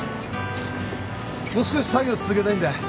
もう少し作業続けたいんだ。